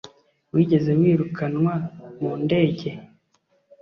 Wigeze wirukanwa mu ndege?